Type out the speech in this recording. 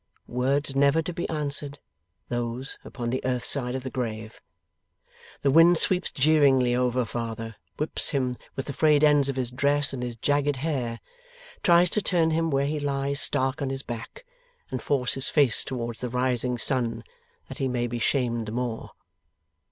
Words never to be answered, those, upon the earth side of the grave. The wind sweeps jeeringly over Father, whips him with the frayed ends of his dress and his jagged hair, tries to turn him where he lies stark on his back, and force his face towards the rising sun, that he may be shamed the more.